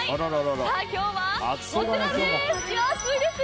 今日はこちらです。